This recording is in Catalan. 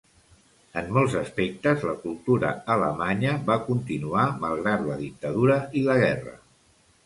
En molts aspectes, la cultura alemanya va continuar malgrat la dictadura i la guerra.